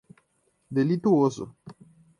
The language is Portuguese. delituoso